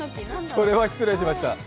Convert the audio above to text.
それは失礼しました。